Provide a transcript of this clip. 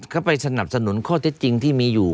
เข้าไปสนับสนุนข้อเท็จจริงที่มีอยู่